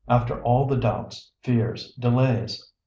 After all the doubts, fears, delays.